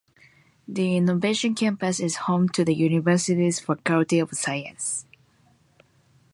The Innovation Campus is home to the university's Faculty of Science.